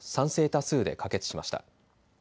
多数で可決しました。